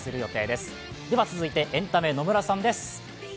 では続いてエンタメ、野村さんです